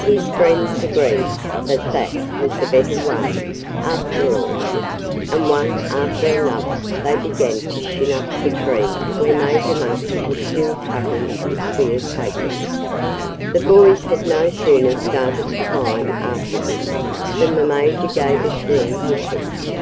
His friends agreed that that was the better way, after all. And one after another they began to shin up the tree where Major Monkey was still cutting his queer capers. The boys had no sooner started to climb after him than the Major gave a shrill whistle.